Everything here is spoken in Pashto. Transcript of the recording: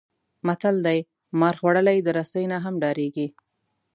متل دی: مار خوړلی د رسۍ نه هم ډارېږي.